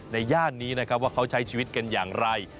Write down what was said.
ย่านนี้นะครับว่าเขาใช้ชีวิตกันอย่างไร